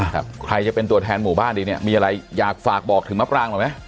ใครจะเป็นตัวแทนหมู่บ้านดีเนี้ยมีอะไรอยากฝากบอกถึงมะปรางหน่อยไหม